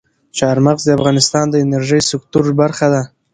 چار مغز د افغانستان د انرژۍ سکتور برخه ده.